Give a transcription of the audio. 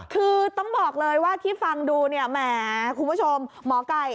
คือต้องบอกเลยว่าที่ฟังดูเนี่ยแหมคุณผู้ชมหมอไก่